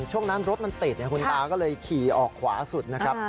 ช่วงนั้นรถมันติดคุณตาก็เลยขี่ออกขวาสุดนะครับ